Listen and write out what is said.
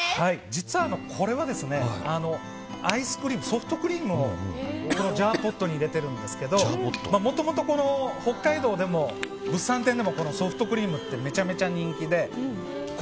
実は、これソフトクリームをジャーポットに入れてるんですけどもともと北海道でも物産展でもソフトクリームってめちゃめちゃ人気で。